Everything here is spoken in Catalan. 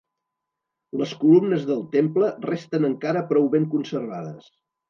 Les columnes del temple resten encara prou ben conservades.